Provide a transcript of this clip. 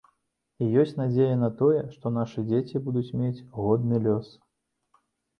І ёсць надзея на тое, што нашы дзеці будуць мець годны лёс.